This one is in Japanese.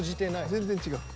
［全然違う］